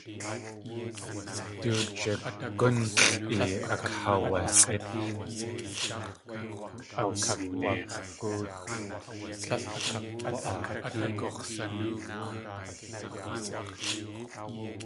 Du jigúnlʼi akaawasʼít.